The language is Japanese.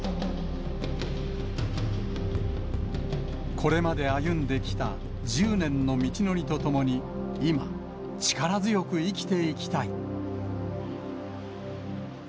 これまで歩んできた１０年の道のりとともに、今、力強く生きていきたい。